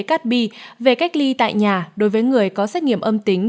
cát bi về cách ly tại nhà đối với người có xét nghiệm âm tính